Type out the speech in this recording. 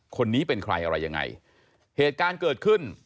คนนี้เป็นใครอะไรยังไงเหตุการณ์เกิดขึ้น